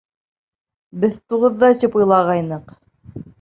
Беҙ туғыҙҙа тип уйлағайныҡ.